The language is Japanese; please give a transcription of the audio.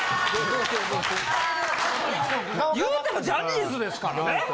言うてもジャニーズですからね。